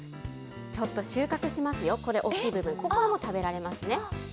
ちょっと収穫しますよ、これ、大きい部分、ここはもう食べられますね。